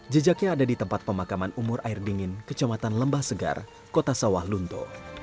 jejaknya ada di tempat pemakaman umur air dingin kecamatan lembah segar kota sawah lunto